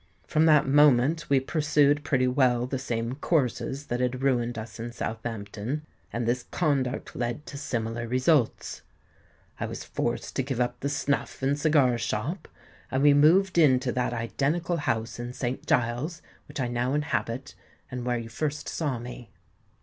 From that moment we pursued pretty well the same courses that had ruined us in Southampton; and this conduct led to similar results. I was forced to give up the snuff and cigar shop; and we moved into that identical house in St. Giles's which I now inhabit, and where you first saw me."